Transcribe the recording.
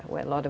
di mana banyak